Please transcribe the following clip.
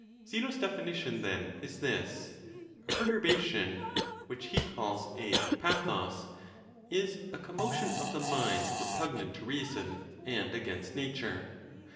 Zeno's definition, then, is this: "A perturbation" (which he calls a ra@oc) "is a commotion of the mind re pugnant to reason, and against nature."